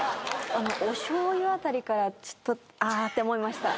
おしょうゆ辺りからちょっとあって思いました。